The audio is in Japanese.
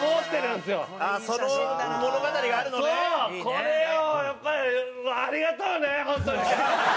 これをやっぱりありがとうね本当に！